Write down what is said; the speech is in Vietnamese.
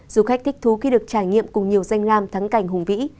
du khách thích thú khi được trải nghiệm cùng nhiều danh lam thắng cảnh hùng vĩ